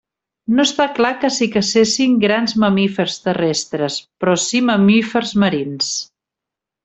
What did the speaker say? No està clar que s'hi cacessin grans mamífers terrestres, però sí mamífers marins.